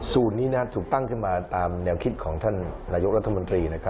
นี้ถูกตั้งขึ้นมาตามแนวคิดของท่านนายกรัฐมนตรี